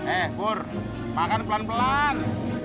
eh bur makan pelan pelan